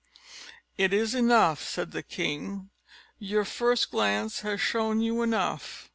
"It is enough," said the king; "your first glance has shown you enough.